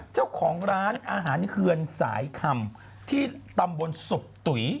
เจ้าของร้านอาหารเคือนสายคำที่ตำบลศพตุ๋ย